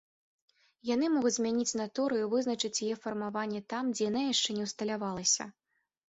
Яны могуць змяніць натуру і вызначыць яе фармаванне там, дзе яна яшчэ не ўсталявалася.